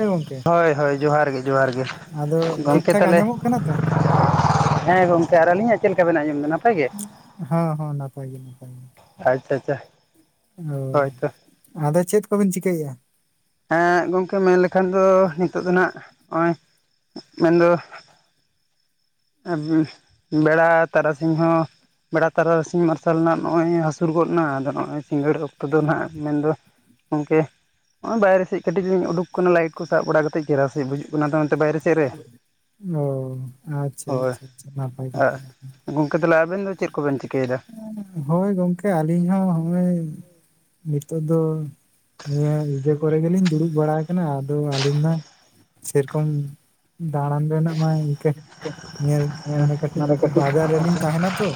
ᱦᱮᱸ ᱜᱚᱝᱠᱮ ᱦᱚᱭ ᱦᱚᱭ ᱡᱚᱦᱟᱨ ᱜᱮ ᱡᱚᱦᱟᱨ ᱜᱮ, ᱟᱫᱚ ᱴᱷᱤᱠ ᱜᱚᱝᱠᱮ ᱴᱷᱟᱠ ᱛᱟᱞᱦᱮ ᱟᱸᱡᱚᱢᱚᱜ ᱠᱟᱱᱟ ᱛᱚ? ᱦᱮᱸ ᱜᱚᱝᱠᱮ ᱟᱨ ᱟᱹᱞᱤᱧᱟᱜ ᱪᱮᱫ ᱞᱮᱠᱟ ᱵᱮᱱ ᱟᱸᱡᱚᱢ ᱫᱟ ᱱᱟᱯ ᱦᱚᱸ ᱦᱚᱸ ᱱᱟᱯᱟᱭ ᱜᱮ ᱱᱟᱯᱟᱭ ᱜᱮ᱾ ᱟᱪᱪᱷᱟ ᱪᱷᱟ᱾ ᱚ ᱟᱫᱚ ᱪᱮᱫ ᱠᱚᱵᱮᱱ ᱪᱤᱠᱟᱹᱭᱮᱼᱟ? ᱦᱮᱸ ᱜᱚᱝᱠᱮ ᱢᱮᱱ ᱞᱮᱠᱷᱟᱱ ᱫᱚ ᱱᱤᱛᱚᱜ ᱫᱚ ᱱᱟᱜ ᱦᱚᱸᱜᱼᱚᱭ ᱢᱮᱱᱫᱚ ᱵᱮᱲᱟ ᱛᱟᱨᱟᱥᱤᱧ ᱦᱚᱸ ᱵᱮᱲᱟ ᱛᱟᱨᱟᱥᱤᱧ ᱢᱟᱨᱥᱟᱞ ᱱᱟ ᱱᱚᱜᱼᱚᱭ ᱦᱟᱹᱥᱩᱨ ᱜᱚᱫ ᱱᱟ ᱟᱫᱚ ᱱᱚᱜᱼᱚᱭ ᱥᱤᱸᱜᱟᱹᱲ ᱚᱠᱛᱚ ᱫᱚ ᱱᱟᱦᱟᱜ ᱢᱮᱱᱫᱚ ᱜᱚᱝᱠᱮ ᱦᱚᱸᱜ-ᱚᱭ ᱵᱟᱭᱨᱮ ᱥᱮᱫ ᱠᱟᱹᱴᱤᱡ ᱞᱤᱧ ᱩᱰᱩᱠ ᱟᱠᱟᱱᱟ ᱞᱟᱭᱤᱴ ᱠᱚ ᱥᱟᱵ ᱵᱟᱲᱟ ᱠᱟᱛᱮ ᱪᱮᱨᱦᱟ ᱥᱟᱦᱤᱡ ᱵᱩᱡᱩᱜ ᱠᱟᱱᱟ ᱟᱫᱚ ᱚᱱᱟᱛᱮ ᱵᱟᱭᱨᱮ ᱪᱮᱫ ᱨᱮ? ᱚ ᱟᱪᱪᱷᱟ ᱟᱪᱪᱷᱟ ᱱᱟᱯᱟᱭ ᱠᱟᱛᱷᱟ ᱜᱚᱝᱠᱮ ᱛᱟᱦᱚᱞᱮ ᱟᱵᱮᱱ ᱫᱚ ᱪᱮᱫ ᱠᱚᱵᱮᱱ ᱪᱤᱠᱟᱹᱭᱮᱫᱟ ᱦᱳᱭ ᱜᱚᱢᱠᱮ ᱟᱹᱞᱤᱧ ᱦᱚᱸ ᱦᱚᱸᱜᱼᱚᱭ ᱱᱤᱛᱚᱜ ᱫᱚ ᱱᱤᱭᱟᱹ ᱤᱡᱟᱹ ᱠᱚᱨᱮ ᱜᱮᱞᱤᱧ ᱫᱩᱲᱩᱵ ᱵᱟᱲᱟᱭ ᱠᱟᱱᱟ ᱟᱫᱚ ᱟᱹᱞᱤᱧ ᱢᱟ ᱥᱮ ᱨᱚᱠᱚᱢ ᱫᱟᱬᱟᱱ ᱵᱮᱱ ᱢᱟᱭ ᱠᱮ ᱧᱮᱞ ᱦᱮᱸ ᱢᱟᱱᱮ ᱠᱟᱹᱴᱤᱡ ᱵᱟᱡᱟᱨ ᱨᱮᱞᱤᱧ ᱛᱟᱦᱮᱱᱟ ᱛᱚ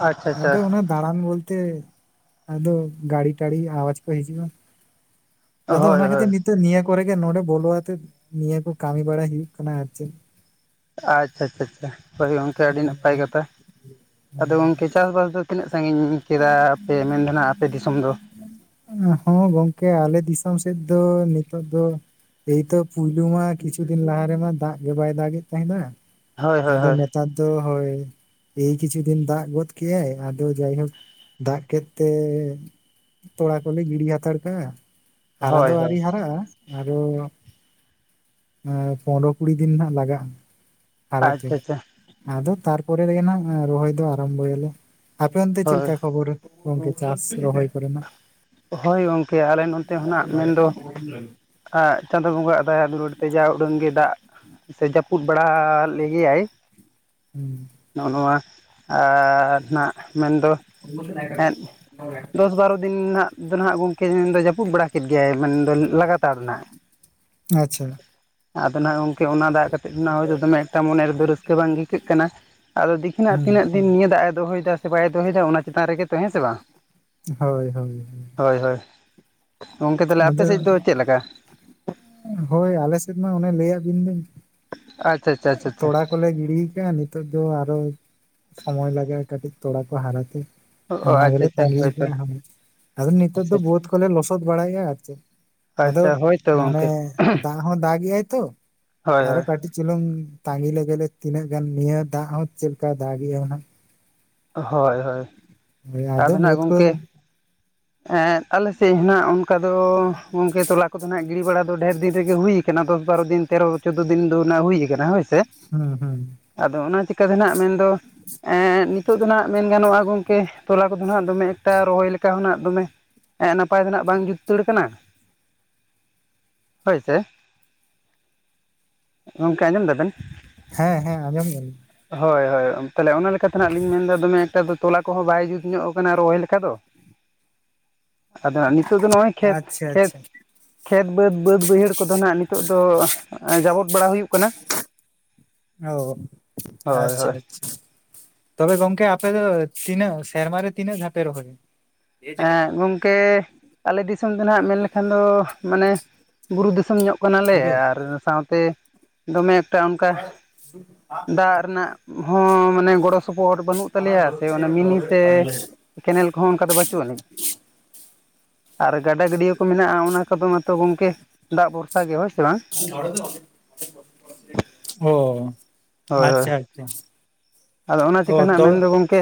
ᱟᱪᱚ ᱟᱫᱚ ᱚᱱᱟ ᱫᱟᱬᱟᱱ ᱵᱚᱞᱛᱮ ᱟᱫᱚ ᱜᱟᱹᱲᱤ ᱴᱟᱹᱲᱤ ᱟᱣᱟᱡ ᱠᱚ ᱦᱤᱡᱩᱜᱼᱟ ᱾ ᱦᱳᱭ ᱟᱫᱚ ᱚᱱᱟ ᱦᱳᱭ ᱠᱷᱟᱹᱛᱤᱨ ᱱᱤᱛᱚᱜ ᱱᱤᱭᱟᱹ ᱠᱚᱨᱮ ᱜᱮ ᱱᱚᱰᱮ ᱵᱚᱞᱚ ᱟᱛᱮ ᱱᱤᱭᱟᱹ ᱠᱚ ᱠᱟᱹᱢᱤ ᱵᱟᱲᱟᱭ ᱦᱩᱭᱩᱜ ᱠᱟᱱᱟ ᱟᱨ ᱪᱮᱫ ᱟᱪᱪᱷᱟ ᱪᱷᱟ ᱪᱷᱟ ᱦᱳᱭ ᱜᱚᱝᱠᱮ ᱟᱹᱰᱤ ᱱᱟᱯᱟᱭ ᱠᱟᱛᱷᱟ ᱟᱫᱚ ᱜᱚᱝᱠᱮ ᱪᱟᱥᱵᱟᱥ ᱫᱚ ᱛᱤᱱᱟᱹᱜ ᱥᱟᱺᱜᱤᱧ ᱠᱮᱫᱟ ᱯᱮ ᱢᱮᱱ ᱫᱚ ᱱᱟᱦᱟᱸᱜ ᱟᱯᱮ ᱫᱤᱥᱚᱢ ᱫᱚ ᱾ ᱦᱚᱸ ᱜᱚᱢᱠᱮ ᱟᱞᱮ ᱫᱤᱥᱚᱢ ᱥᱮᱫ ᱫᱚ ᱱᱤᱛᱚᱜ ᱫᱚ ᱮᱭᱛᱚ ᱯᱩᱭᱞᱩ ᱢᱟ ᱠᱤᱪᱷᱩ ᱫᱤᱱ ᱞᱟᱦᱟ ᱨᱮᱢᱟ ᱫᱟᱜ ᱜᱮ ᱵᱟᱭ ᱫᱟᱜ ᱮᱫ ᱛᱟᱦᱮᱸᱱᱟ ᱾ ᱦᱳᱭ ᱦᱳᱭ ᱟᱫᱚ ᱦᱳᱭ ᱱᱮᱛᱟᱨ ᱫᱚ ᱦᱳᱭ ᱮᱭ ᱠᱤᱪᱷᱩ ᱫᱤᱱ ᱫᱟᱜ ᱜᱚᱫ ᱠᱮ-ᱟᱭ ᱟᱫᱚ ᱡᱟᱭᱜᱟ ᱫᱟᱜ ᱠᱮᱫ ᱛᱮ ᱛᱚᱲᱟ ᱠᱚᱞᱮ ᱜᱤᱰᱤ ᱦᱟᱛᱟᱲ ᱯᱮ ᱦᱟᱨᱟ ᱫᱚ ᱦᱳᱭ ᱦᱳᱭ ᱟᱹᱣᱨᱤ ᱦᱟᱨᱟᱜᱼᱟ᱾ ᱟᱨᱚ ᱮᱸ ᱯᱚᱱᱨᱚ ᱠᱩᱲᱤ ᱫᱤᱱ ᱦᱟᱸᱜ ᱞᱟᱜᱟᱜᱼᱟ᱾ ᱦᱟᱨᱟᱛᱮ ᱟᱪᱪᱷᱟ ᱟᱪᱪᱷᱟ ᱟᱫᱚ ᱛᱟᱨ ᱯᱚᱨᱮ ᱨᱮᱜᱮ ᱱᱟᱜ ᱨᱚᱦᱚᱭ ᱫᱚ ᱟᱨᱟᱢᱵᱚᱭ ᱟᱞᱮ ᱾ ᱟᱯᱮ ᱚᱱᱛᱮ ᱦᱳᱭ ᱪᱮᱞᱠᱟ ᱠᱷᱚᱵᱚᱨ ᱜᱚᱝᱠᱮ ᱪᱟᱥ ᱨᱚᱦᱚᱭ ᱠᱚᱨᱮᱱᱟᱜ, ᱦᱳᱭ ᱜᱚᱢᱠᱮ ᱟᱞᱮ ᱱᱚᱛᱮ ᱦᱚᱸ ᱱᱟᱜ ᱢᱮᱱᱫᱚ ᱟᱸ ᱪᱟᱸᱫᱳ ᱵᱚᱸᱜᱟᱣᱟᱜ ᱫᱟᱭᱟ ᱫᱩᱞᱟᱹᱲ ᱛᱮ ᱡᱟ ᱩᱰᱟᱹᱝ ᱜᱮ ᱫᱟᱜ ᱥᱮ ᱡᱟᱹᱯᱩᱫ ᱵᱟᱲᱟ ᱞᱮᱜᱮᱭᱟᱭ, [inaudible] ᱱᱚᱜᱼᱚ ᱱᱚᱣᱟ ᱟᱨ ᱦᱟᱸᱜ ᱢᱮᱱᱫᱚ ᱮᱱ ᱫᱚᱥ ᱵᱟᱨᱚ ᱫᱤᱱ ᱱᱟ-ᱦᱟᱸᱜ ᱫᱚ ᱱᱟᱦᱟᱸᱜ ᱜᱚᱝᱠᱮ ᱩᱱᱫᱚ ᱡᱟᱹᱯᱩᱫ ᱵᱟᱲᱟ ᱠᱮᱜ ᱜᱮᱭᱟᱭ ᱢᱮᱱ ᱫᱚ ᱞᱟᱜᱟᱛᱟᱨ ᱱᱟᱜ ᱾ ᱟᱪᱪᱷᱟ ᱟᱫᱚ ᱱᱟᱦᱟ-ᱜ ᱜᱚᱝᱠᱮ ᱚᱱᱟ ᱫᱟᱜ ᱠᱟᱛᱮᱜ ᱫᱚᱢᱮ ᱮᱴᱟ ᱢᱚᱱᱮ ᱨᱮᱫᱚ ᱨᱟᱹᱥᱠᱟᱹ ᱵᱟᱝ ᱟᱹᱭᱤᱠᱟᱹᱜ ᱠᱟᱱᱟ ᱾ ᱟᱫᱚ ᱫᱤᱠᱠᱷᱤᱱᱟᱜ ᱦᱩᱸ ᱛᱤᱱᱟᱹᱜ ᱫᱤᱱ ᱱᱤᱭᱟᱹ ᱫᱟᱜ ᱮ ᱫᱚᱦᱚᱭ ᱮᱫᱟ ᱥᱮ ᱵᱟᱭ ᱫᱚᱦᱚᱭ ᱮᱫᱟ ᱚᱱᱟ ᱪᱮᱛᱟᱱ ᱨᱮᱜᱮ ᱛᱚ ᱦᱮᱸ ᱥᱮ ᱵᱟᱝ ᱾ ᱦᱳᱭ ᱦᱳᱭ ᱦᱳᱭ ᱦᱳᱭ ᱜᱚᱢᱠᱮ ᱛᱟᱦᱚᱞᱮ ᱟᱯᱮ ᱟᱫᱚ ᱥᱮᱫ ᱫᱚ ᱪᱮᱫ ᱞᱮᱠᱟ ᱾ ᱦᱳᱭ ᱟᱞᱮ ᱥᱮᱫ ᱢᱟ ᱚᱱᱮ ᱞᱟᱹᱭ ᱟᱫ ᱵᱤᱱ ᱟᱪᱪᱷᱟ ᱟᱪᱪᱷᱟ ᱟᱪᱪᱷᱟ ᱟᱪᱪᱷᱟ ᱛᱚᱲᱟ ᱠᱚᱞᱮ ᱜᱤᱲᱤᱭ ᱠᱟᱜᱼᱟ ᱱᱤᱛᱚᱜ ᱫᱚ ᱟᱨᱚ ᱥᱚᱢᱳᱭ ᱞᱟᱜᱟᱜᱼᱟ ᱠᱟᱹᱴᱤᱡ ᱛᱚᱲᱟ ᱠᱚ ᱦᱟᱨᱟᱛᱮ ᱾ ᱚ ᱚᱱᱟ ᱟᱪᱪᱷᱟ ᱜᱮᱞᱮ ᱟᱪᱪᱷᱟ ᱛᱟᱸᱜᱤᱭ ᱦᱳᱭᱛᱚ ᱠᱟᱜ-ᱟ ᱦᱳᱭ ᱟᱫᱚ ᱱᱤᱛᱚᱜ ᱟᱪᱪᱷᱟ ᱫᱚ ᱵᱟᱹᱫᱽ ᱟᱪᱪᱷᱟ ᱠᱚᱞᱮ ᱞᱚᱥᱚᱫ ᱵᱟᱲᱟᱭᱟ ᱟᱨ ᱪᱮᱫ? ᱟᱫᱚ ᱟᱪᱪᱷᱟ ᱦᱳᱭᱛᱚ ᱢᱟᱱᱮ ᱜᱚᱝᱠᱮ ᱫᱟᱜ ᱦᱚᱸ ᱫᱟᱜ ᱮᱜᱟᱭ ᱛᱚ ᱦᱳᱭ ᱟᱨᱚ ᱦᱳᱭ ᱠᱟᱹᱴᱤᱡ ᱪᱩᱞᱩᱝ ᱛᱟᱸᱜᱤ ᱞᱮᱜᱮᱞᱮ ᱛᱤᱱᱟᱹᱜ ᱜᱟᱱ ᱱᱤᱭᱟᱹ ᱫᱟᱜ ᱦᱚᱸ ᱪᱮᱜ ᱞᱮᱠᱟᱭ ᱫᱟᱜ ᱮ ᱦᱩᱱᱟᱹᱝ ᱾ ᱦᱳᱭ ᱦᱳᱭ ᱦᱮᱸ ᱟᱫᱚ ᱵᱟᱹᱫᱽ ᱠᱚ ᱦᱮᱸ ᱟᱞᱮ ᱥᱮᱫ ᱦᱚᱱᱟᱜ ᱚᱱᱠᱟ ᱫᱚ ᱜᱚᱝᱠᱮ ᱛᱚᱞᱟ ᱠᱚᱫᱚ ᱱᱟᱜ ᱜᱤᱲᱤ ᱵᱟᱲᱟ ᱫᱚ ᱰᱷᱮᱨ ᱫᱤᱱ ᱨᱮᱜᱮ ᱦᱩᱭ ᱟᱠᱟᱱᱟ ᱫᱚᱥ ᱵᱟᱨᱚ ᱫᱤᱱ ᱛᱮᱨᱚ ᱪᱳᱫᱳ ᱫᱤᱱ ᱫᱚ ᱱᱟ ᱦᱩᱭ ᱟᱠᱟᱱᱟ ᱚᱱᱟ ᱦᱳᱭ ᱥᱮ ᱾ ᱦᱩᱸ ᱦᱩᱸ ᱟᱫᱚ ᱚᱱᱟ ᱪᱤᱠᱟᱹᱛᱮ ᱱᱟᱜ ᱢᱮᱱᱫᱚ ᱮᱱ ᱱᱤᱛᱚᱜ ᱫᱚ ᱱᱟᱜ ᱢᱮᱱ ᱜᱟᱱᱚᱜᱼᱟ ᱜᱚᱝᱠᱮ ᱛᱚᱞᱟ ᱠᱚᱫᱚ ᱱᱟᱜ ᱫᱚᱢᱮ ᱮᱠᱴᱟ ᱨᱚᱦᱚᱭ ᱞᱮᱠᱟ ᱦᱚᱸ ᱱᱟᱜ ᱫᱚᱢᱮ ᱮᱸ ᱱᱟᱯᱟᱭ ᱫᱚ ᱱᱟᱜ ᱵᱟᱝ ᱡᱩᱛ ᱛᱳᱨ ᱠᱟᱱᱟ ᱾ ᱦᱳᱭ ᱥᱮ ᱜᱚᱝᱠᱮ ᱟᱸᱡᱚᱢ ᱫᱟ ᱵᱮᱱ ᱾ ᱦᱮᱸ ᱦᱮᱸ ᱟᱸᱡᱚᱢ ᱫᱟᱹᱧ᱾ ᱦᱳᱭ ᱦᱳᱭ ᱛᱟᱦᱚᱞᱮ ᱚᱱᱟ ᱞᱮᱠᱟᱛᱮ ᱱᱟᱸᱜ ᱚᱱᱤᱧ ᱢᱮᱱ ᱫᱟ ᱫᱚᱢᱮ ᱮᱠᱴᱟ ᱫᱚ ᱛᱚᱞᱟ ᱠᱚᱦᱚ ᱵᱟᱭ ᱡᱩᱛ ᱧᱚᱜ ᱠᱟᱱᱟ ᱨᱚᱦᱚᱭ ᱞᱮᱠᱟ ᱫᱚ, ᱟᱫᱚ ᱦᱟᱸ ᱱᱤᱛᱚᱜ ᱫᱚ ᱱᱚᱜᱼᱚᱭ ᱠᱷᱮᱛ, ᱟᱪᱪᱷᱟ ᱠᱷᱮᱛ ᱟᱪᱪᱷᱟ ᱠᱷᱮᱛ ᱵᱟᱹᱫᱽ, ᱵᱟᱹᱫᱽ ᱵᱟᱹᱭᱦᱟᱹᱲ ᱠᱚᱫᱚ ᱱᱟᱦᱟᱸᱜ ᱱᱤᱛᱳᱜ ᱫᱚ ᱡᱟᱵᱚᱛ ᱵᱟᱲᱟ ᱦᱩᱭᱩᱜ ᱠᱟᱱᱟ᱾ ᱚᱳ ᱦᱳᱭ ᱟᱪᱪᱷᱟ ᱦᱳᱭ ᱟᱪᱪᱷᱟ᱾ ᱛᱚᱵᱮ ᱜᱚᱝᱠᱮ ᱟᱯᱮ ᱫᱚ ᱛᱤᱱᱟᱹᱜ ᱥᱮᱨᱢᱟᱨᱮ ᱛᱤᱱᱟᱹᱜ ᱫᱷᱟᱣᱯᱮ ᱨᱚᱦᱚᱭᱟ? ᱮᱸᱜ ᱜᱚᱢᱠᱮ ᱟᱞᱮ ᱫᱤᱥᱚᱢ ᱫᱚ ᱱᱟᱦᱟᱸᱜ ᱢᱮᱱ ᱞᱮᱠᱷᱟᱱ ᱫᱚ ᱢᱟᱱᱮ ᱵᱩᱨᱩ ᱫᱤᱥᱚᱢ ᱧᱚᱜ ᱠᱟᱱᱟᱞᱮ ᱯᱩᱨᱟᱹ ᱟᱨ ᱥᱟᱶᱛᱮ ᱫᱚᱢᱮ ᱮᱠᱴᱟ ᱚᱱᱠᱟ ᱫᱟᱜ ᱨᱮᱱᱟᱜ ᱦᱚᱸ ᱢᱟᱱᱮ ᱜᱚᱲᱚ ᱥᱚᱯᱚᱦᱚᱫ ᱵᱟᱹᱱᱩᱜ ᱛᱟᱞᱮᱭᱟ ᱥᱮ ᱚᱱᱟ ᱢᱤᱱᱤ ᱥᱮ ᱠᱮᱱᱮᱞ ᱠᱚᱦᱚᱸ ᱚᱱᱠᱟ ᱫᱚ ᱵᱟ ᱪᱩᱜ ᱟᱹᱱᱤᱡ᱾ ᱟᱨ ᱜᱟᱰᱟ ᱜᱟᱹᱰᱤᱭᱟᱹ ᱠᱚ ᱢᱮᱱᱟᱜᱼᱟ ᱚᱱᱟ ᱠᱚᱫᱚ ᱢᱟᱛᱚ ᱜᱚᱝᱠᱮ ᱫᱟᱜ ᱵᱷᱚᱨᱥᱟ ᱜᱮ ᱦᱳᱭ ᱥᱮ ᱵᱟᱝ? [unintelligible] ᱚ ᱦᱳᱭ ᱦᱳᱭ ᱟᱪᱪᱷᱟ ᱟᱪᱪᱷᱟ᱾ ᱟᱫᱚ ᱚᱱᱟ ᱪᱤᱠᱟ ᱚ ᱱᱟᱸᱜ ᱛᱚ ᱢᱮᱱ ᱫᱚ ᱜᱚᱝᱠᱮ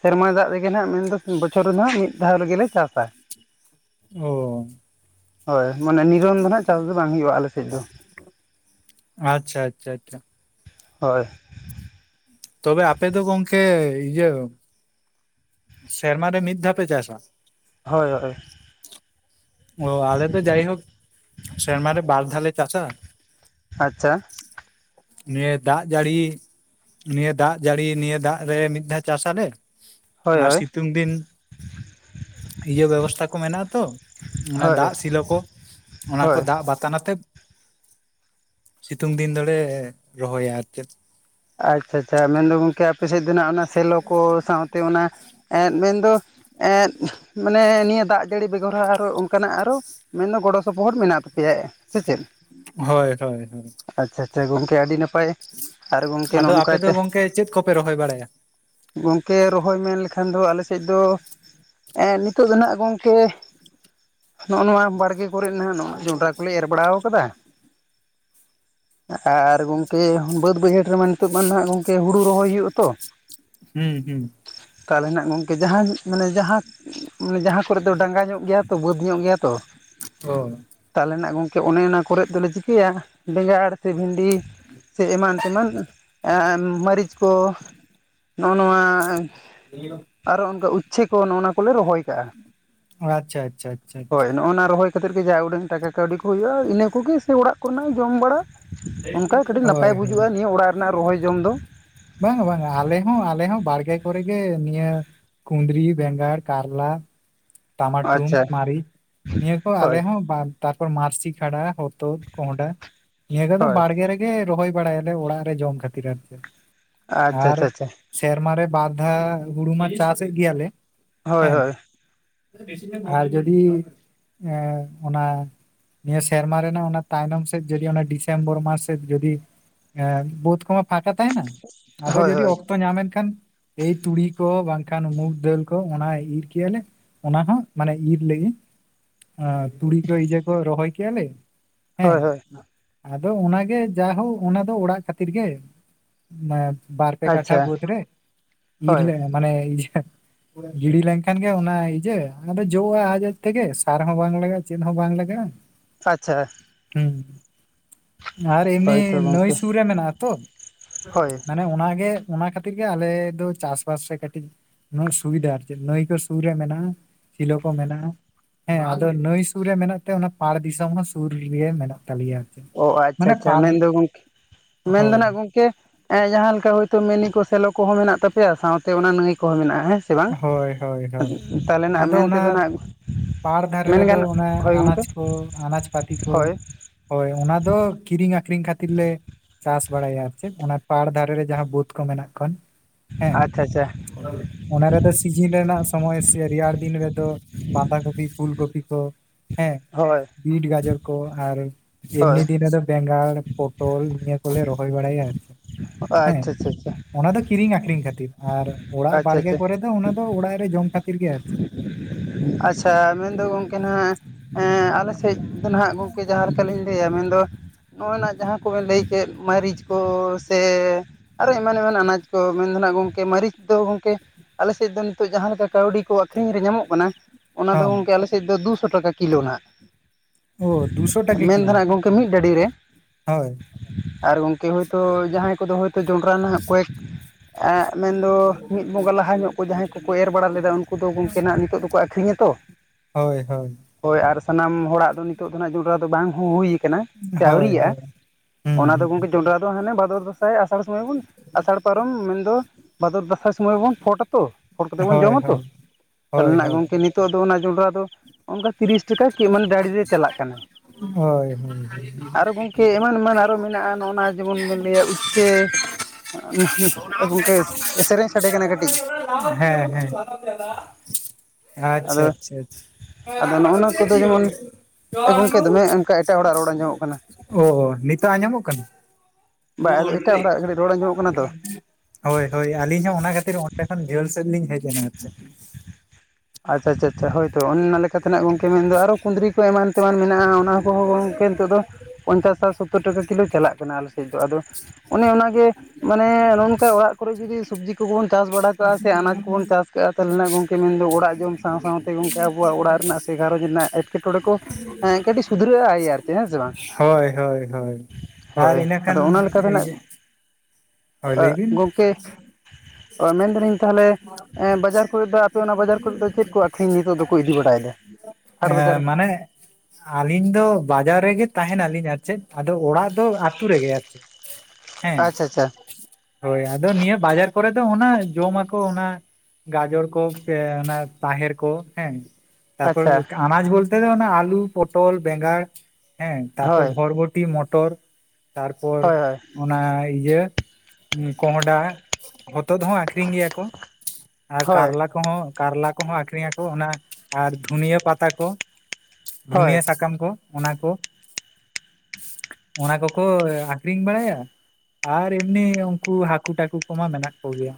ᱥᱮᱨᱢᱟ ᱫᱟᱜ ᱛᱮᱜᱮ ᱱᱟᱸᱜ ᱢᱮᱱ ᱫᱚ ᱵᱚᱪᱷᱚᱨ ᱨᱮᱱᱟᱸᱜ ᱢᱤᱫ ᱫᱷᱟᱣ ᱨᱮᱜᱮᱞᱮ ᱪᱟᱥᱟ᱾ ᱚ᱾ ᱦᱳᱭ ᱢᱟᱱᱮ ᱱᱤᱨᱚᱱ ᱫᱚ ᱦᱟᱸᱜ ᱪᱟᱥ ᱫᱚ ᱵᱟᱝ ᱦᱩᱭᱩᱜᱼᱟ ᱟᱞᱮ ᱥᱮᱫ ᱫᱚ᱾ ᱟᱪᱪᱷᱟ ᱟᱪᱪᱷᱟ ᱟᱪᱪᱷᱟ᱾ ᱦᱳᱭ᱾ ᱛᱚᱵᱮ ᱟᱯᱮ ᱫᱚ ᱜᱚᱝᱠᱮ ᱤᱭᱟᱹ ᱥᱮᱨᱢᱟ ᱨᱮ ᱢᱤᱫ ᱫᱷᱟᱣ ᱯᱮ ᱪᱟᱥᱟ? ᱦᱳᱭ ᱦᱳᱭ᱾ ᱚ ᱟᱞᱮ ᱫᱚ ᱡᱟᱭᱦᱳᱠ ᱥᱮᱨᱢᱟᱨᱮ ᱵᱟᱨ ᱫᱷᱟᱞᱮ ᱪᱟᱥᱟ᱾ ᱟᱪᱪᱷᱟ᱾ ᱱᱤᱭᱟᱹ ᱫᱟᱜ ᱡᱟᱹᱲᱤ ᱱᱤᱭᱟᱹ ᱫᱟᱜ ᱡᱟᱹᱲᱤ ᱱᱤᱭᱟᱹ ᱫᱟᱜ ᱨᱮ ᱢᱤᱫ ᱫᱷᱟᱣ ᱪᱟᱥ ᱟᱞᱮ, ᱦᱳᱭ ᱟᱨ ᱦᱳᱭ ᱥᱤᱛᱩᱝ ᱫᱤᱱ ᱤᱭᱟᱹ ᱵᱮᱵᱚᱥᱛᱟ ᱠᱚ ᱢᱮᱱᱟᱜ ᱟᱛᱚ, ᱚᱱᱮ ᱫᱟᱜ ᱦᱳᱭ ᱥᱤᱞᱚ ᱠᱚ ᱚᱱᱟ ᱠᱚ ᱦᱳᱭ ᱫᱟᱜ ᱵᱟᱛᱟᱱ ᱟᱛᱮ ᱥᱤᱛᱩᱝ ᱫᱤᱱ ᱫᱚᱲᱮ ᱨᱚᱦᱚᱭᱟ ᱟᱨ ᱪᱮᱫ᱾ ᱟᱪᱪᱷᱟ ᱟᱪᱪᱷᱟ ᱢᱮᱱᱫᱚ ᱜᱚᱝᱠᱮ ᱟᱯᱮ ᱥᱮᱫ ᱫᱚ ᱱᱟᱸᱜ ᱚᱱᱟ ᱥᱮᱞᱚ ᱠᱚ ᱥᱟᱶᱛᱮ ᱚᱱᱟ ᱮᱸᱫ ᱢᱮᱱᱫᱚ ᱮᱸᱫ ᱢᱟᱱᱮ ᱱᱤᱭᱟᱹ ᱫᱟᱜ ᱡᱟᱹᱲᱤ ᱵᱮᱜᱚᱨ ᱦᱚᱸ ᱟᱨᱚ ᱚᱱᱠᱟᱱᱟᱜ ᱟᱨᱚ ᱢᱮᱱᱫᱚ ᱜᱚᱲᱚ ᱥᱚᱯᱚᱦᱚᱫ ᱢᱮᱱᱟᱜ ᱛᱟᱯᱮᱭᱟ ᱥᱮ ᱪᱮᱫ? ᱦᱳᱭ ᱦᱳᱭ ᱦᱳᱭ᱾ ᱟᱪᱪᱷᱟ ᱟᱪᱪᱷᱟ ᱜᱚᱝᱠᱮ ᱟᱹᱰᱤ ᱱᱟᱯᱟᱭ, ᱟᱨ ᱜᱚᱝᱠᱮ ᱟᱫᱚ ᱱᱚᱜᱼᱚ ᱟᱯᱮ ᱫᱚ ᱱᱚᱝᱠᱟ ᱜᱚᱝᱠᱮ ᱪᱮᱫ ᱠᱚᱯᱮ ᱨᱚᱦᱚᱭ ᱵᱟᱲᱟᱭᱟ? ᱜᱚᱝᱠᱮ ᱨᱚᱦᱚᱭ ᱢᱮᱱ ᱞᱮᱠᱷᱟᱱ ᱫᱚ ᱟᱞᱮᱥᱮᱡ ᱫᱚ ᱮᱸᱜ ᱱᱤᱛᱚᱜ ᱫᱚ ᱱᱟᱸᱜ ᱜᱚᱝᱠᱮ ᱱᱚᱜᱼᱚ ᱱᱚᱣᱟ ᱵᱟᱲᱜᱮ ᱠᱚᱨᱮ ᱱᱟᱸᱦ ᱱᱚᱜᱼᱱᱟ ᱡᱚᱸᱰᱨᱟ ᱠᱚᱞᱮ ᱮᱨ ᱵᱟᱲᱟᱣ ᱠᱟᱫᱟ ᱟᱨ ᱜᱚᱝᱠᱮ ᱵᱟᱹᱫᱽ ᱵᱟᱹᱭᱦᱟᱹᱲ ᱨᱮᱢᱟ ᱱᱤᱛᱚᱜ ᱢᱟ ᱱᱟᱦᱟᱸᱜ ᱜᱚᱝᱠᱮ ᱦᱩᱲᱩ ᱨᱚᱦᱚᱭ ᱦᱩᱭᱩᱜᱼᱟ ᱛᱚ, ᱦᱩᱸ ᱦᱩᱸ᱾ ᱛᱟᱦᱞᱮ ᱦᱮᱸ ᱱᱟᱜ ᱜᱚᱝᱠᱮ ᱡᱟᱦᱟᱸ ᱢᱟᱱᱮ ᱡᱟᱦᱟᱸ ᱢᱟᱱᱮ ᱡᱟᱦᱟᱸ ᱠᱚᱨᱮ ᱫᱚ ᱰᱟᱸᱜᱟ ᱧᱚᱜ ᱜᱮᱭᱟ ᱛᱚ ᱵᱟᱹᱫ ᱧᱚᱜ ᱜᱮᱭᱟ ᱛᱚ, ᱚ᱾ ᱛᱟᱦᱞᱮᱱᱟᱜ ᱜᱚᱢᱠᱮ ᱚᱱᱮ ᱚᱱᱟ ᱠᱚᱨᱮ ᱫᱚᱞᱮ ᱪᱤᱠᱟᱹᱭᱟ ᱵᱮᱸᱜᱟᱲ ᱥᱮ ᱵᱷᱤᱱᱰᱤ ᱥᱮ ᱮᱢᱟᱱ ᱛᱮᱢᱟᱱ ᱮᱸ ᱢᱟᱹᱨᱤᱪ ᱠᱚ ᱱᱚᱸᱜᱼᱚ ᱱᱚᱣᱟ ᱟᱨᱚ ᱚᱱᱠᱟ ᱩᱪᱷᱟᱹ ᱠᱚ ᱱᱚᱼᱚ ᱱᱟ ᱠᱚᱞᱮ ᱨᱚᱦᱚᱭ ᱠᱟᱜᱼᱟ ᱟᱪᱪᱷᱟ ᱟᱪᱪᱷᱟ ᱟᱪᱪᱷᱟ ᱟᱪᱪᱷᱟ᱾ ᱱᱚᱜᱚ ᱱᱟ ᱨᱚᱦᱚᱭ ᱠᱟᱛᱮᱫ ᱜᱮ ᱡᱟᱸ ᱩᱰᱟᱹᱝ ᱴᱟᱠᱟ ᱠᱟᱹᱣᱰᱤ ᱠᱚ ᱦᱩᱭᱩᱜᱼᱟ ᱤᱱᱟᱹ ᱠᱚᱜᱮ ᱥᱮ ᱚᱲᱟᱜ ᱠᱚᱨᱮᱱᱟᱜ ᱡᱚᱢ ᱵᱟᱲᱟ ᱚᱱᱠᱟ ᱠᱟᱹᱴᱤᱡ ᱱᱟᱯᱟᱭ ᱦᱳᱭ ᱦᱳᱭ ᱵᱩᱡᱟᱹᱜᱼᱟ ᱱᱤᱭᱟᱹ ᱚᱲᱟᱜ ᱨᱮᱱᱟᱜ ᱨᱚᱦᱚᱭ ᱡᱚᱝ ᱫᱚ᱾ ᱵᱟᱝᱼᱟ ᱵᱟᱝᱼᱟ ᱟᱞᱮ ᱦᱚᱸ ᱟᱞᱮ ᱦᱚᱸ ᱵᱟᱲᱜᱮ ᱠᱚᱨᱮ ᱜᱮ ᱱᱤᱭᱟᱹ ᱠᱩᱸᱫᱽᱨᱤ ᱵᱮᱸᱜᱟᱲ ᱠᱟᱨᱞᱟ ᱴᱟᱢᱟᱴᱩᱢ ᱟᱪᱪᱷᱟ ᱢᱟᱹᱨᱤᱪ ᱱᱤᱭᱟᱹ ᱠᱚ ᱦᱳᱭ ᱟᱞᱮ ᱦᱚᱸ ᱵᱟᱝ ᱛᱟᱨᱯᱚᱨ ᱢᱟᱨᱥᱤ ᱠᱷᱟᱰᱟ ᱦᱚᱛᱚᱫ ᱠᱚᱸᱦᱰᱟ ᱱᱤᱭᱟᱹ ᱠᱚᱫᱚ ᱦᱳᱭ ᱵᱟᱲᱜᱮ ᱨᱮ ᱜᱮ ᱨᱚᱦᱚᱭ ᱵᱟᱲᱟᱭᱟᱞᱮ ᱚᱲᱟᱜ ᱨᱮ ᱡᱚᱢ ᱠᱷᱟᱹᱛᱤᱨ ᱟᱨ ᱪᱮᱫ ᱟᱪᱪᱷᱟ ᱟᱨ ᱟᱪᱪᱷᱟ ᱟᱪᱪᱷᱟ ᱥᱮᱨᱢᱟ ᱨᱮ ᱵᱟᱨ ᱫᱷᱟᱣ ᱦᱩᱲᱩ ᱢᱟ ᱪᱟᱥᱮᱫ ᱜᱮᱭᱟᱞᱮ᱾ ᱦᱳᱭ ᱦᱮᱸ ᱦᱳᱭ᱾ [unintelligible] ᱟᱨ ᱡᱩᱫᱤ ᱮᱸ ᱚᱱᱟ ᱱᱤᱭᱟᱹ ᱥᱮᱨᱢᱟ ᱨᱮᱱᱟᱜ ᱚᱱᱟ ᱛᱟᱭᱱᱚᱢ ᱥᱮᱫ ᱡᱚᱫᱤ ᱚᱱᱟ ᱰᱤᱥᱮᱢᱵᱚᱨ ᱢᱟᱥ ᱥᱮᱫ ᱡᱚᱫᱤ ᱮ ᱵᱩᱫ ᱠᱚᱢᱟ ᱯᱷᱟᱠᱟ ᱛᱟᱦᱮᱱᱟ ᱟᱫᱚ ᱦᱳᱭ ᱡᱚᱫᱤ ᱦᱳᱭ ᱚᱠ ᱛᱚ ᱧᱟᱢᱮᱫ ᱠᱷᱟᱱ ᱮᱭ ᱛᱩᱲᱤ ᱠᱚ ᱵᱟᱝᱠᱷᱟᱱ ᱢᱩᱜ ᱫᱟᱹᱞ ᱠᱚ ᱚᱱᱟ ᱤᱨ ᱠᱤᱭᱟᱞᱮ᱾ ᱚᱱᱟ ᱦᱚᱸ ᱢᱟᱱᱮ ᱤᱨ ᱞᱟᱹᱜᱤᱫ ᱟᱸ ᱛᱩᱲᱤ ᱠᱚ ᱤᱭᱟᱹ ᱠᱚ ᱨᱚᱦᱚᱭ ᱠᱮᱜᱼᱟ ᱞᱮ᱾ ᱦᱮᱸ ᱦᱳᱭ ᱦᱳᱭ᱾ ᱟᱫᱚ ᱚᱱᱟᱜᱮ ᱡᱟᱦᱳ ᱚᱱᱟ ᱫᱚ ᱚᱲᱟᱜ ᱠᱷᱟᱹᱛᱤᱨ ᱜᱮ ᱢᱟ ᱵᱟᱨ ᱯᱮ ᱠᱟᱴᱷᱟ ᱟᱪᱪᱷᱟ ᱵᱳᱫ ᱨᱮ ᱦᱳᱭ ᱤᱨᱞᱮ᱾ ᱢᱟᱱᱮ ᱤᱭᱟᱹ ᱜᱤᱲᱤ ᱞᱮᱱᱠᱷᱟᱱ ᱜᱮ ᱚᱱᱟ ᱡᱮ ᱟᱫᱚ ᱡᱚᱜᱼᱟ ᱟᱡ ᱟᱡ ᱛᱮᱜᱮ ᱥᱟᱨ ᱦᱚᱸ ᱵᱟᱝ ᱞᱟᱜᱟᱜᱼᱟ ᱪᱮᱫ ᱦᱚᱸ ᱵᱟᱝ ᱞᱟᱜᱟᱜᱼᱟ᱾ ᱟᱪᱪᱷᱟ᱾ ᱦᱩᱸ᱾ ᱟᱨ ᱮᱢᱱᱤ ᱦᱳᱭ ᱛᱚ ᱱᱟᱹᱭ ᱜᱚᱢᱠᱮ ᱥᱩᱨ ᱨᱮ ᱢᱮᱱᱟᱜᱼᱟ ᱛᱚ, ᱦᱳᱭ ᱢᱟᱱᱮ ᱚᱱᱟᱜᱮ ᱚᱱᱟ ᱠᱷᱟᱹᱛᱤᱨ ᱜᱮ ᱟᱞᱮ ᱫᱚ ᱪᱟᱥ ᱵᱟᱥ ᱨᱮ ᱠᱟᱹᱴᱤᱡ ᱩᱱᱟᱹᱜ ᱥᱩᱵᱤᱫᱷᱟ ᱟᱨ ᱪᱮᱫ ᱱᱟᱹᱭ ᱠᱚ ᱥᱩᱨ ᱨᱮ ᱢᱮᱱᱟᱜᱼᱟ᱾ ᱥᱤᱞᱟᱹ ᱠᱚ ᱢᱮᱱᱟᱜᱼᱟ᱾ ᱦᱮᱸ ᱟᱫᱚ ᱱᱟᱹᱭ ᱥᱩᱨ ᱨᱮ ᱢᱮᱱᱟᱜ ᱛᱮ ᱚᱱᱟ ᱯᱟᱲ ᱫᱤᱥᱚᱢ ᱦᱚᱸ ᱥᱩᱨ ᱨᱮ ᱢᱮᱱᱟᱜ ᱛᱟᱞᱮᱭᱟ᱾ ᱪᱮᱫ ᱚ ᱟᱪᱪᱷᱟ ᱢᱟᱱᱮ ᱟᱪᱪᱷᱟ, ᱯᱟᱲ ᱢᱮᱱᱫᱚ ᱜᱚᱝᱠᱮ ᱢᱮᱱᱫᱚ ᱦᱳᱭ ᱱᱟᱜ ᱜᱚᱢᱠᱮ ᱮᱸ ᱡᱟᱦᱟᱸ ᱞᱮᱠᱟ ᱦᱳᱭᱛᱚ ᱢᱤᱱᱤ ᱠᱚ, ᱥᱮᱞᱚ ᱠᱚᱦᱚᱸ ᱢᱮᱱᱟᱜ ᱛᱟᱯᱮᱭᱟ ᱥᱟᱶᱛᱮ ᱚᱱᱟ ᱱᱟᱹᱭ ᱠᱚᱦᱚᱸ ᱢᱮᱱᱟᱜᱼᱟ ᱦᱮᱸ᱾ ᱥᱮ ᱵᱟᱝ ᱦᱳᱭ ᱦᱳᱭ ᱦᱳᱭ ᱛᱟᱦᱞᱮ ᱟᱫᱚ ᱚᱱᱟ ᱢᱮᱱᱛᱮᱫᱚ ᱱᱟᱜ ᱯᱟᱲ ᱫᱷᱟᱨᱮ ᱢᱮᱱ ᱨᱮᱫᱚ ᱜᱟᱱᱚᱜ ᱚᱱᱮ ᱦᱳᱭ ᱟᱱᱟᱡᱽ ᱜᱚᱢᱠᱮ ᱠᱚ ᱟᱱᱟᱡᱽ ᱯᱟᱟᱹᱛᱤ ᱠᱚ ᱦᱳᱭ ᱦᱳᱭ ᱚᱱᱟ ᱫᱚ ᱠᱤᱨᱤᱧ ᱟᱠᱷᱨᱤᱧ ᱠᱷᱟᱹᱛᱤᱨ ᱞᱮ ᱪᱟᱥ ᱵᱟᱲᱟᱭᱟ ᱟᱨ ᱪᱮᱫ ᱚᱱᱟ ᱯᱟᱲ ᱫᱷᱟᱨᱮ ᱨᱮ ᱡᱟᱦᱟᱸ ᱵᱩᱫᱽ ᱠᱚ ᱢᱮᱱᱟᱜ ᱠᱚ ᱦᱮᱸ᱾ ᱟᱪᱪᱷᱟ ᱟᱪᱪᱷᱟ ᱚᱱᱟ ᱨᱮᱫᱚ ᱥᱤᱡᱤᱱ ᱨᱮᱱᱟᱜ ᱥᱚᱢᱚᱭ ᱥᱮ ᱨᱮᱭᱟᱲ ᱫᱤᱱ ᱨᱮᱫᱚ ᱵᱟᱸᱫᱷᱟ ᱠᱚᱯᱤ ᱯᱷᱩᱞ ᱠᱚᱯᱤ ᱠᱚ ᱦᱮᱸ ᱦᱳᱭ ᱵᱤᱴ ᱜᱟᱡᱚᱨ ᱠᱚ ᱟᱨ ᱦᱳᱭ ᱮᱢᱱᱤ ᱫᱤᱱ ᱨᱮᱫᱚ ᱵᱮᱸᱜᱟᱲ ᱯᱚᱴᱚᱞ ᱱᱤᱭᱟᱹ ᱠᱚᱜᱮ ᱨᱚᱦᱚᱭ ᱵᱟᱲᱟᱭᱟ᱾ ᱟᱪᱪᱷᱟ ᱦᱮᱸ ᱟᱪᱪᱷᱟ ᱪᱷᱟ᱾ ᱚᱱᱟ ᱫᱚ ᱠᱤᱨᱤᱧ ᱟᱠᱷᱨᱤᱧ ᱠᱷᱟᱛᱤᱨ ᱟᱨ ᱚᱲᱟᱜ ᱟᱪᱪᱷᱟ ᱵᱟᱲᱜᱮ ᱟᱪᱪᱷᱟ ᱠᱚᱨᱮ ᱫᱚ ᱚᱱᱟ ᱫᱚ ᱚᱲᱟᱜ ᱨᱮ ᱡᱚᱢ ᱠᱷᱟᱹᱛᱤᱨ ᱜᱮ ᱟᱨᱪᱮᱫ᱾ ᱟᱪᱪᱷᱟ ᱢᱮᱱ ᱫᱚ ᱜᱚᱝᱠᱮ ᱱᱚᱶᱟ ᱮᱸ ᱟᱞᱮ ᱥᱮᱫ ᱫᱚ ᱱᱟᱦᱟᱟᱸᱜ ᱜᱚᱝᱠᱮ ᱡᱟᱦᱟᱸ ᱞᱮᱠᱟ ᱞᱤᱧ ᱞᱟᱹᱭᱟ ᱢᱮᱱᱫᱚ ᱱᱚᱭ ᱱᱟᱜ ᱡᱟᱦᱟᱸ ᱠᱚᱵᱮᱱ ᱞᱟᱹᱭ ᱠᱮᱫ ᱢᱟᱹᱨᱤᱪ ᱠᱚ ᱥᱮ ᱟᱨᱚ ᱮᱢᱟᱱ ᱮᱢᱟᱱ ᱟᱱᱟᱡᱽ ᱠᱚ ᱢᱮᱱ ᱫᱚ ᱜᱚᱢᱠᱮ ᱢᱟᱹᱨᱤᱪ ᱫᱚ ᱜᱚᱢᱠᱮ ᱟᱞᱮ ᱥᱮᱫ ᱫᱚ ᱱᱤᱛᱚᱜ ᱡᱟᱦᱟᱸ ᱞᱮᱠᱟ ᱠᱟᱹᱣᱰᱤ ᱠᱚ ᱟᱹᱠᱷᱨᱤᱧ ᱨᱮ ᱧᱟᱢᱚᱜ ᱠᱟᱱᱟ ᱚᱱᱟ ᱫᱚ ᱦᱚᱸ ᱜᱚᱝᱠᱮ ᱟᱞᱮ ᱥᱮᱫ ᱫᱚ ᱫᱩᱥᱚ ᱴᱟᱠᱟ ᱠᱤᱞᱳ ᱱᱟᱦᱟᱜ᱾ ᱳ ᱫᱩᱥᱚ ᱴᱟᱠᱟ ᱢᱮᱱ ᱠᱤᱞᱳ ᱫᱚᱱᱟᱜ ᱜᱚᱝᱠᱮ ᱢᱤᱫ ᱰᱟᱹᱰᱤ ᱨᱮ᱾ ᱦᱳᱭ᱾ ᱟᱨ ᱜᱚᱝᱠᱮ ᱦᱚᱭᱛᱳ ᱡᱟᱦᱟᱸᱭ ᱠᱚᱫᱚ ᱦᱚᱭᱛᱳ ᱡᱚᱸᱰᱨᱟ ᱱᱟᱜ ᱠᱚᱭᱮᱠ ᱮᱸᱜ ᱢᱮᱱᱫᱚ ᱢᱤᱫ ᱵᱚᱸᱜᱟ ᱞᱟᱦᱟ ᱧᱚᱜ ᱠᱚ ᱡᱟᱦᱟᱸᱭ ᱠᱚᱠᱚ ᱮᱨ ᱵᱟᱲᱟ ᱞᱮᱫᱟ ᱩᱱ ᱫᱚ ᱜᱚᱝᱠᱮ ᱱᱟᱜ ᱱᱤᱛᱚᱜ ᱫᱚᱠᱚ ᱟᱠᱷᱨᱤᱧᱟ ᱛᱚ᱾ ᱦᱳᱭ ᱦᱳᱭ ᱦᱳᱭ ᱟᱨ ᱥᱟᱱᱟᱢ ᱦᱚᱲᱟᱜ ᱫᱚ ᱱᱤᱛᱚᱜ ᱫᱚ ᱱᱟᱦᱟᱜ ᱡᱚᱱᱰᱨᱟ ᱫᱚ ᱵᱟᱝ ᱦᱚᱸ ᱦᱩᱭ ᱠᱟᱱᱟ ᱥᱮ ᱦᱳᱭ ᱟᱹᱣᱨᱤᱭᱟᱜᱼᱟ, ᱦᱳᱭ ᱦᱩᱸ ᱚᱱᱟ ᱫᱚ ᱦᱩᱸ ᱜᱚᱝᱠᱮ ᱡᱚᱱᱰᱨᱟ ᱫᱚ ᱦᱟᱱᱮ ᱵᱷᱟᱫᱚᱨ ᱫᱟᱸᱥᱟᱭ ᱟᱥᱟᱲ ᱥᱚᱢᱚᱭ ᱵᱚᱱ ᱟᱥᱟᱲ ᱯᱟᱨᱚᱢ ᱢᱮᱱᱫᱚ ᱵᱷᱟᱫᱚᱨ ᱫᱟᱥᱟᱭ ᱥᱚᱢᱚᱭ ᱵᱚᱱ ᱯᱷᱚᱴ ᱟᱛᱚ ᱯᱷᱚᱴ ᱠᱟᱛᱮᱫ ᱵᱚᱱ ᱦᱳᱭ ᱡᱚᱢᱟᱛᱚ, ᱦᱳᱭ ᱛᱟᱞᱦᱮ ᱦᱳᱭ ᱱᱟᱜ ᱦᱳᱭ ᱜᱚᱝᱠᱮ ᱱᱤᱛᱚᱜ ᱫᱚ ᱚᱱᱟ ᱡᱚᱱᱰᱨᱟ ᱫᱚ ᱚᱱᱠᱟ ᱛᱤᱨᱤᱥ ᱴᱟᱠᱟ ᱠᱤ ᱢᱟᱱᱮ ᱰᱟᱸᱲᱤ ᱨᱮ ᱪᱟᱞᱟᱜ ᱠᱟᱱᱟ᱾ ᱦᱳᱭ ᱦᱳᱭ ᱟᱨᱚ ᱜᱚᱝᱠᱮ ᱮᱢᱟᱱ ᱮᱢᱟᱱ ᱟᱨᱚ ᱢᱮᱱᱟᱜᱼᱟ ᱱᱚᱜᱼᱱᱟ ᱡᱮᱢᱚᱱ ᱵᱮᱱ ᱞᱟᱹᱭᱟ ᱩᱪᱪᱟᱹ ᱮ ᱜᱚᱝᱠᱮ ᱮ ᱥᱮᱨᱮᱧ ᱥᱟᱰᱮ ᱠᱟᱱᱟ ᱠᱟᱹᱴᱤᱡ᱾ ᱦᱮᱸ ᱦᱮᱸ᱾ ᱟᱪᱪᱷᱟ ᱟᱫᱚ ᱟᱪᱪᱷᱟ ᱟᱪᱪᱷᱟ᱾ ᱟᱫᱚ ᱱᱚᱜᱼᱚ ᱱᱚᱣᱟ ᱠᱚᱫᱚ ᱡᱮᱢᱚᱱ ᱮ ᱜᱚᱝᱠᱮ ᱫᱚᱢᱮ ᱚᱱᱠᱟ ᱮᱴᱟᱜ ᱦᱚᱲᱟᱜ ᱨᱚᱲ ᱟᱸᱡᱚᱢᱚᱜ ᱠᱟᱱᱟ [unintelligible] ᱚ ᱱᱤᱛᱚᱜ ᱟᱸᱡᱚᱢᱚᱜ ᱠᱟᱱᱟ? ᱵᱟ ᱟᱫᱚ ᱮᱴᱟᱜ ᱦᱚᱲᱟᱜ ᱠᱟᱴᱤᱡ ᱨᱚᱲ ᱟᱸᱡᱚᱢᱚᱜ ᱠᱟᱱᱟ ᱛᱚ᱾ ᱦᱳᱭ ᱦᱳᱭ ᱟᱹᱞᱤᱧ ᱦᱚᱸ ᱚᱱᱟ ᱠᱷᱟᱹᱛᱤᱨ ᱚᱸᱰᱮ ᱠᱷᱚᱱ ᱡᱷᱟᱹᱞ ᱥᱮᱫ ᱞᱤᱧ ᱦᱮᱡ ᱮᱱᱟ ᱟᱨ ᱪᱮᱫ᱾ ᱟᱪᱪᱷᱟ ᱪᱷᱟ ᱪᱷᱟ ᱦᱳᱭ ᱛᱚ ᱚᱱᱱᱟ ᱞᱮ ᱛᱮᱱᱟᱜ ᱜᱚᱝᱠᱮ ᱢᱮᱱᱫᱚ ᱟᱨᱚ ᱠᱩᱸᱫᱽᱨᱤ ᱠᱚ ᱮᱢᱟᱱ ᱛᱮᱢᱟᱱ ᱢᱮᱱᱟᱜᱼᱟ ᱚᱱᱟ ᱠᱚᱦᱚᱸ ᱜᱚᱝᱠᱮ ᱱᱤᱛᱚᱜ ᱫᱚ ᱯᱚᱧᱪᱟᱥ ᱴᱟᱠᱟ ᱥᱚᱛᱛᱳᱨ ᱴᱟᱠᱟ ᱠᱤᱞᱳ ᱪᱟᱞᱟᱜ ᱠᱟᱱᱟ ᱟᱞᱮ ᱥᱮᱫ ᱫᱚ ᱟᱫᱚ ᱚᱱᱮ ᱚᱱᱟ ᱜᱮ ᱢᱟᱱᱮ ᱱᱚᱜ-ᱚ ᱱᱚᱝᱠᱟ ᱚᱲᱟᱜ ᱠᱚᱨᱮ ᱡᱩᱫᱤ ᱥᱚᱵᱡᱤ ᱩᱛᱩ ᱠᱚᱵᱚᱱ ᱪᱟᱥ ᱵᱟᱲᱟ ᱠᱟᱜᱼᱟ ᱥᱮ ᱟᱱᱟᱡᱽ ᱠᱚᱵᱚᱱ ᱪᱟᱥ ᱠᱟᱜᱼᱟ ᱛᱟᱦᱚᱞᱮ ᱱᱟᱜ ᱜᱚᱝᱠᱮ ᱢᱮᱱᱫᱚ ᱚᱲᱟᱜ ᱡᱚᱢ ᱥᱟᱶ ᱥᱟᱶᱛᱮ ᱜᱚᱝᱠᱮ ᱟᱵᱚᱣᱟᱜ ᱚᱲᱟᱜ ᱨᱮᱱᱟᱜ ᱥᱮ ᱜᱷᱟᱨᱚᱸᱡᱽ ᱨᱮᱱᱟᱜ ᱮᱴᱠᱮᱴᱚᱬᱮ ᱠᱚ ᱮ ᱠᱟᱹᱴᱤᱡ ᱥᱩᱫᱷᱨᱟᱹᱜ-ᱟ ᱮᱭ ᱟᱨᱠᱤ, ᱦᱮᱸ ᱥᱮ ᱵᱟᱝ? ᱦᱳᱭ ᱦᱳᱭ ᱦᱳᱭ, ᱟᱨ ᱦᱳᱭ ᱤᱱᱟᱹ ᱠᱷᱟᱱ ᱤᱭᱟᱹ ᱮᱜ ᱜᱚᱝᱠᱮ ᱚ ᱢᱮᱱ ᱫᱟᱞᱤᱧ ᱛᱟᱦᱞᱮ ᱮᱸ ᱵᱟᱡᱟᱨ ᱠᱚᱨᱮᱜ ᱫᱚ ᱟᱯᱮ ᱚᱱᱟ ᱵᱟᱡᱟᱨ ᱠᱚᱨᱮᱜ ᱫᱚ ᱪᱮᱫ ᱠᱚ ᱟᱹᱠᱷᱨᱤᱧ ᱱᱤᱛᱚᱜ ᱫᱚᱠᱚ ᱤᱫᱤ ᱵᱟᱲᱟᱭᱮᱫᱟ? ᱦᱟᱴ ᱵᱟᱡᱟᱨ ᱢᱟᱱᱮ ᱟᱹᱞᱤᱧ ᱫᱚ ᱵᱟᱡᱟᱨ ᱨᱮᱜᱮ ᱛᱟᱸᱦᱮᱱᱟᱞᱤᱧ ᱟᱨ ᱪᱮᱫ, ᱟᱫᱚ ᱚᱲᱟᱜ ᱫᱚ ᱟᱹᱛᱩ ᱨᱮᱜᱮ ᱟᱨ ᱪᱮᱫ᱾ ᱦᱮᱸ, ᱟᱪᱪᱷᱟ ᱟᱪᱪᱷᱟ ᱦᱳᱭ ᱟᱫᱚ ᱱᱤᱭᱟᱹ ᱵᱟᱡᱟᱨ ᱠᱚᱨᱮ ᱫᱚ ᱚᱱᱟ ᱡᱚᱢᱟᱠ ᱠᱚ ᱚᱱᱟ ᱜᱟᱡᱚᱨ ᱠᱚ ᱯᱮ ᱚᱱᱟ ᱛᱟᱦᱮᱨ ᱠᱚ ᱦᱮᱸ, ᱛᱟᱨᱯᱚᱨ ᱟᱪᱪᱷᱟ ᱟᱱᱟᱡ ᱵᱚᱞᱛᱮ ᱫᱚ ᱚᱱᱟ ᱟᱞᱩ ᱯᱚᱴᱚᱞ, ᱵᱮᱸᱜᱟᱲ ᱦᱮᱸ, ᱛᱟᱯᱚᱨ ᱦᱳᱭ ᱵᱷᱚᱨᱵᱚ ᱴᱤ, ᱢᱚᱴᱚᱨ ᱛᱟᱨᱯᱚᱨ ᱦᱳᱭ ᱦᱳᱭ ᱚᱱᱟ ᱤᱡᱟᱹ ᱠᱚᱸᱦᱚᱰᱟ ᱦᱚᱛᱚᱫ ᱦᱚᱸ ᱟᱠᱷᱨᱤᱧ ᱜᱮᱭᱟ ᱠᱚ ᱟᱨ ᱦᱳᱭ ᱠᱟᱨᱞᱟ ᱠᱚᱦᱚᱸ ᱠᱟᱨᱞᱟ ᱠᱚᱦᱚᱸ ᱟᱠᱷᱨᱤᱧ ᱟᱠᱚ ᱚᱱᱟ ᱟᱨ ᱫᱷᱩᱱᱤᱭᱟᱹ ᱯᱟᱛᱟ ᱠᱚ᱾ ᱫᱷᱩᱱᱤᱭᱟᱹ ᱦᱳᱭ ᱥᱟᱠᱟᱢ ᱠᱚ ᱚᱱᱟ ᱠᱚ᱾ ᱚᱱᱟ ᱠᱚᱠᱚ ᱟᱠᱷᱨᱤᱧ ᱵᱟᱲᱟᱭᱟ ᱟᱨ ᱮᱢᱱᱤ ᱩᱱᱠᱩ ᱦᱟᱹᱠᱩ ᱴᱟᱠᱩ ᱠᱚᱢᱟ ᱢᱮᱱᱟᱜ ᱠᱚᱜᱮᱭᱟ᱾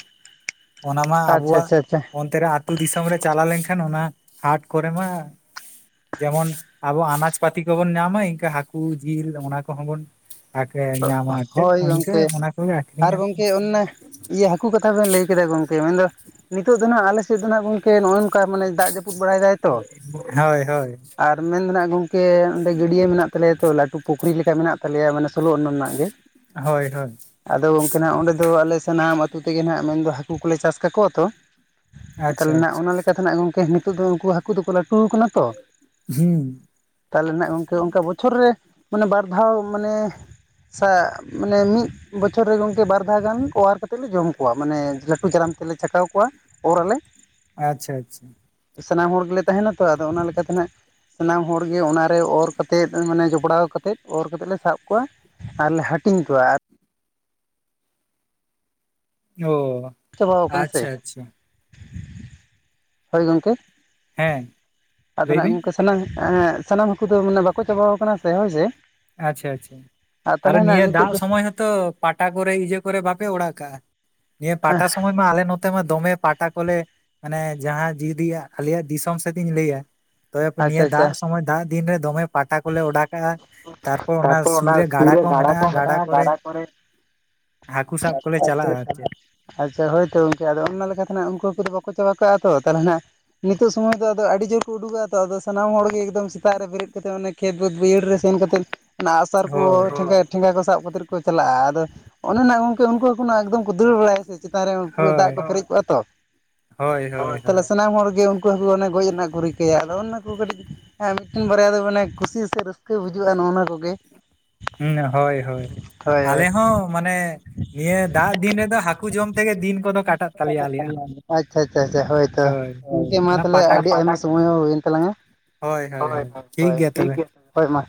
ᱚᱱᱟ ᱢᱟ ᱟᱪᱪᱷᱟ ᱟᱵᱚᱣᱟᱜ ᱟᱪᱪᱷᱟ ᱟᱪᱪᱷᱟ ᱚᱱᱛᱮ ᱨᱮ ᱟᱹᱛᱩ ᱫᱤᱥᱚᱢ ᱨᱮ ᱪᱟᱞᱟ ᱞᱮᱱᱠᱷᱟᱱ ᱚᱱᱟ ᱦᱟᱴ ᱠᱚᱨᱮ ᱢᱟ ᱡᱮᱢᱚᱱ ᱟᱵᱚ ᱟᱱᱟᱡ ᱯᱟᱹᱛᱤ ᱠᱚᱵᱚᱱ ᱧᱟᱢᱟ ᱤᱱᱠᱟᱹ ᱦᱟᱹᱠᱩ ᱡᱤᱞ ᱚᱱᱟ ᱠᱚᱦᱚᱸ ᱵᱚᱱ ᱟᱠᱮ ᱧᱟᱢᱟ ᱮᱱᱛᱮᱫ ᱦᱳᱭ ᱤᱱᱠᱟᱹ ᱜᱚᱝᱠᱮ ᱚᱱᱟ ᱠᱚᱜᱮ ᱟᱠᱷᱨᱤᱧ ᱟᱨ [inaudible] ᱜᱚᱝᱠᱮ ᱚᱱᱮ ᱤᱭᱟᱹ ᱦᱟᱹᱠᱩ ᱠᱟᱛᱷᱟ ᱵᱮᱱ ᱞᱟᱹᱭ ᱠᱮᱫᱟ ᱜᱚᱝᱠᱮ ᱢᱮᱱᱫᱚ ᱱᱤᱛᱚᱜ ᱫᱚ ᱱᱟᱦᱟᱜ ᱟᱞᱮ ᱥᱮᱫ ᱫᱚ ᱱᱟᱦᱟᱜ ᱜᱚᱝᱠᱮ ᱱᱚᱜ-ᱚ ᱱᱚᱝᱠᱟ ᱢᱟᱱᱮ ᱫᱟᱜ ᱡᱟᱩ ᱯᱩᱫ ᱵᱟᱲᱟᱭ ᱫᱟᱭ ᱛᱚ, ᱦᱳᱭ ᱦᱳᱭ ᱟᱨ ᱢᱮᱱᱫᱚ ᱱᱟᱦᱟᱜ ᱜᱚᱝᱠᱮ ᱚᱸᱰᱮ ᱜᱟᱹᱰᱤᱭᱟᱹ ᱢᱮᱱᱟᱜ ᱛᱟᱞᱮᱭᱟ ᱛᱚ ᱞᱟᱹᱴᱩ ᱯᱩᱠᱷᱨᱤ ᱞᱮᱠᱟ ᱢᱮᱱᱟᱜ ᱛᱟᱞᱮᱭᱟ ᱢᱟᱱᱮ ᱥᱳᱞᱳ ᱚᱱᱟ ᱨᱮᱱᱟᱜ ᱜᱮ᱾ ᱦᱳᱭ ᱦᱳᱭ᱾ ᱟᱫᱚ ᱜᱚᱝᱠᱮ ᱱᱟᱦᱟᱜ ᱚᱸᱰᱮ ᱫᱚ ᱟᱞᱮ ᱥᱟᱱᱟᱢ ᱟᱹᱛᱩ ᱛᱮᱜᱮ ᱱᱟᱦᱟᱜ ᱢᱮᱱᱫᱚ ᱦᱟᱹᱠᱩ ᱠᱚᱞᱮ ᱪᱟᱥ ᱠᱟᱠᱚᱣᱟ ᱛᱚ, ᱟᱨ ᱟᱪᱪᱷᱟ ᱛᱟᱦᱞᱮ ᱱᱟᱜ ᱟᱪᱪᱷᱟ ᱚᱱᱟ ᱞᱮᱠᱟ ᱞᱮᱠᱟᱛᱮ ᱱᱟᱜ ᱜᱚᱝᱠᱮ ᱱᱤᱛᱚᱜ ᱫᱚ ᱩᱱᱠᱩ ᱦᱟᱹᱠᱩ ᱫᱚᱠᱚ ᱞᱟᱹᱴᱩ ᱟᱠᱟᱱᱟ ᱛᱚ, [unintelligible] ᱛᱟᱦᱞᱮ ᱱᱟᱜ ᱜᱚᱝᱠᱮ ᱚᱝᱠᱟ ᱵᱚᱪᱷᱚᱨ ᱨᱮ ᱢᱟᱱᱮ ᱵᱟᱨ ᱫᱷᱟᱣ ᱢᱟᱱᱮ, ᱥᱟᱜ ᱢᱟᱱᱮ ᱢᱤᱫ, ᱵᱚᱪᱷᱚᱨ ᱨᱮ ᱜᱚᱝᱠᱮ ᱵᱟᱨ ᱫᱷᱟᱣ ᱜᱟᱱ ᱚᱣᱟᱨ ᱠᱟᱛᱮᱫ ᱞᱮ ᱡᱚᱢ ᱠᱚᱣᱟ ᱢᱟᱱᱮ ᱞᱟᱹᱴᱩ ᱡᱟᱨᱟᱢ ᱛᱮᱞᱮ ᱪᱷᱟᱠᱟᱣ ᱠᱚᱣᱟ᱾ ᱚᱨ ᱟᱞᱮ, ᱟᱪᱪᱷᱟ ᱟᱪᱪᱷᱟ᱾ ᱥᱟᱱᱟᱢ ᱦᱚᱲ ᱜᱮᱞᱮ ᱛᱟᱸᱦᱮᱱᱟ ᱛᱚ ᱟᱫᱚ ᱚᱱᱟ ᱞᱮᱠᱟᱛᱮ ᱱᱟᱦᱟᱸᱜ, ᱥᱟᱱᱟᱢ ᱦᱚᱲ ᱜᱮ ᱚᱱᱟᱨᱮ ᱚᱨ ᱠᱛᱮᱫ ᱢᱟᱱᱮ ᱡᱚᱯᱲᱟᱣ ᱠᱟᱛᱮᱫ ᱚᱨᱛᱮᱫ ᱞᱮ ᱥᱟᱵ ᱠᱚᱣᱟ᱾ ᱟᱨᱞᱮ ᱦᱟᱹᱴᱤᱧ ᱠᱚᱣᱟ ᱟᱨ ᱚᱻ ᱪᱟᱵᱟᱣ ᱟᱠᱟᱱᱟ ᱥᱮ ᱦᱳᱭ ᱜᱚᱝᱠᱮ, ᱦᱮᱸ ᱟᱫᱚ ᱞᱟᱹᱭ ᱱᱟᱦᱟᱜ ᱵᱤᱱ ᱜᱚᱝᱠᱮ ᱥᱟᱱᱟᱝ ᱮᱜ ᱥᱟᱱᱟᱢ ᱦᱟᱹᱠᱩ ᱫᱚ ᱢᱟᱱᱮ ᱵᱟᱠᱚ ᱪᱟᱵᱟᱣ ᱟᱠᱟᱱᱟ ᱥᱮ ᱦᱳᱭ ᱥᱮ, ᱟᱪᱪᱷᱟ ᱟᱪᱪᱷᱟ ᱟᱨ ᱟᱨᱚ ᱛᱟᱦᱚᱞᱮ ᱱᱟᱜ ᱱᱤᱭᱟᱹ ᱱᱤᱛᱚᱜ ᱫᱟᱜ ᱫᱚ ᱥᱚᱢᱚᱭ ᱦᱚᱸᱛᱚ ᱯᱟᱴᱟ ᱠᱚᱨᱮ ᱤᱡᱟᱹ ᱠᱚᱨᱮ ᱵᱟᱯᱮ ᱚᱲᱟᱜ ᱠᱟᱜ-ᱟ? ᱱᱤᱭᱟᱹ ᱯᱟᱴᱟ ᱥᱚᱢᱚᱭ ᱢᱟ ᱟᱞᱮ ᱱᱚᱛ ᱱᱚᱛᱮᱢᱟ ᱫᱚᱢᱮ ᱯᱟᱴᱟ ᱠᱚᱞᱮ ᱢᱟᱱᱮ ᱡᱟᱦᱟᱸ ᱡᱤᱫᱤ-ᱟᱜ ᱟᱞᱮᱭᱟᱜ ᱫᱤᱥᱚᱢ ᱥᱮᱛ ᱤᱧ ᱞᱟᱹᱭᱟ, ᱛᱚᱵᱮᱯᱮ ᱟᱪᱪᱷᱟ ᱱᱤᱭᱟᱹ ᱟᱪᱪᱷᱟ ᱫᱟᱜ ᱥᱚᱢᱚᱭ ᱫᱟᱜ ᱫᱤᱱ ᱨᱮ ᱫᱚᱢᱮ ᱯᱟᱴᱟ ᱠᱚᱞᱮ ᱚᱰᱟ ᱠᱟᱜ-ᱟ᱾ ᱛᱟᱨᱯᱚᱨ ᱚᱱᱟ ᱥᱩᱨ ᱨᱮ ᱜᱟᱰᱟ ᱠᱚ ᱢᱮᱱᱟᱜᱼᱟ ᱢᱮᱱᱟᱜ-ᱟ ᱠᱚᱨᱮ ᱜᱟᱰᱟ ᱠᱚᱨᱮᱫ, ᱦᱟᱹᱠᱩ ᱥᱟᱵ ᱠᱚᱞᱮ ᱪᱟᱞᱟᱜᱼᱟ ᱟᱨ ᱪᱮᱫ [inaudible] ᱟᱪᱪᱷᱟ ᱦᱳᱭ ᱛᱚ ᱜᱚᱝᱠᱮ ᱟᱫᱚ ᱚᱱᱱᱟ ᱞᱮᱠᱟ ᱛᱮᱱᱟ ᱩᱝᱠᱩ ᱦᱟᱹᱠᱩ ᱵᱟᱠᱚ ᱪᱟᱵᱟᱠᱚᱜ-ᱟ ᱛᱚ ᱛᱟᱞᱦᱮ ᱦᱱᱟᱜ-ᱟ᱾ ᱱᱤᱛᱚᱜ ᱥᱚᱢᱚᱭ ᱫᱚ ᱟᱫᱚ ᱟᱹᱰᱤ ᱡᱳᱨ ᱠᱚ ᱩᱰᱩ ᱠᱚᱜ-ᱟ᱾ ᱛᱚ ᱟᱫᱚ ᱥᱟᱱᱟᱢ ᱦᱚᱲᱜᱮ ᱮᱠᱫᱚᱢ ᱥᱮᱛᱟᱜ ᱨᱮ ᱵᱮᱨᱮᱫ ᱠᱟᱛᱮ ᱚᱱᱮ ᱠᱷᱮᱛ ᱵᱟᱹᱛ ᱵᱟᱹᱭᱦᱟᱹᱲ ᱨᱮ ᱥᱮᱱ ᱠᱟᱛᱮᱱ, ᱚᱱᱟ ᱟᱹᱜ ᱥᱟᱨ ᱠᱚ ᱦᱳᱭ [unintelligible] ᱴᱷᱮᱸᱜᱟ ᱠᱚ ᱥᱟᱵ ᱠᱟᱛᱮᱫ ᱠᱚ ᱪᱟᱞᱟᱜ-ᱟ ᱟᱫᱚ ᱚᱱᱮ ᱱᱟᱜ ᱜᱚᱝᱠᱮ ᱩᱝᱠᱩ ᱦᱟᱹᱠᱩ ᱱᱟᱜ ᱮᱠᱫᱚᱢ ᱠᱚ ᱫᱟᱹᱲ ᱵᱟᱲᱟᱭᱟ ᱥᱮ ᱪᱮᱛᱟᱱ ᱨᱮᱢᱟ ᱯᱩᱨᱟᱹ ᱦᱳᱭ ᱫᱟᱜ ᱠᱚ ᱯᱮᱨᱮᱡ ᱠᱚᱜ-ᱟ ᱛᱚ ᱦᱳᱭ ᱦᱳᱭ ᱛᱟᱦᱞᱮ ᱦᱳᱭ ᱥᱟᱱᱟᱢ ᱦᱚᱲ ᱜᱮ ᱩᱝᱠᱩ ᱦᱟᱹᱠᱩ ᱚᱱᱮ ᱜᱚᱡ ᱨᱮᱱᱟᱜ ᱠᱚ ᱨᱤᱠᱟᱹᱭᱟ, ᱚᱱᱱᱟ ᱠᱚ ᱠᱟᱹᱴᱤᱡ ᱮᱸ ᱢᱤᱫᱴᱤᱱ ᱵᱟᱨᱭᱟ ᱫᱚ ᱢᱟᱱᱮ ᱠᱩᱥᱤ ᱥᱮ ᱨᱟᱹᱥᱠᱟᱹ ᱵᱩᱡᱩᱜ-ᱟ ᱱᱚᱜᱼᱱᱟ ᱠᱚᱜᱮ᱾ [unintelligible] ᱦᱳᱭ ᱦᱳᱭ, ᱦᱳᱭ ᱟᱞᱮ ᱦᱳᱭ ᱦᱚᱸ ᱢᱟᱱᱮ ᱱᱤᱭᱟᱹ ᱫᱟᱜ ᱫᱤᱱ ᱨᱮᱫᱚ ᱦᱟᱹᱠᱩ ᱡᱚᱢ ᱛᱮᱜᱮ ᱫᱤᱱ ᱠᱚᱫᱚ ᱠᱟᱴᱟᱜ ᱛᱟᱞᱮᱭᱟ ᱟᱞᱮᱭᱟᱜ᱾ ᱦᱚᱸ ᱟᱪᱪᱷᱟ ᱟᱪᱪᱷᱟ ᱟᱪᱷᱟ ᱦᱳᱭ ᱛᱚ ᱜᱚᱝᱠᱮ ᱢᱟ ᱚᱱᱟ ᱛᱟᱞᱦᱮ ᱯᱟᱴᱟ ᱟᱹᱰᱤ ᱟᱭᱢᱟ ᱥᱚᱢᱚᱭ ᱦᱚᱸ ᱦᱩᱭ ᱮᱱ᱾ ᱛᱞᱟᱝᱼᱟ ᱦᱳᱭ [inaudible] ᱴᱷᱤᱠ ᱜᱮᱭᱟ [inaudible] ᱦᱳᱭ ᱢᱟ।